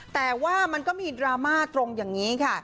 แต่ว่ามันก็มีดราม่าตรงอย่างนี้ค่ะ